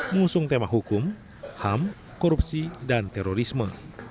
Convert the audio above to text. mengusung tema hukum ham korupsi dan terorisme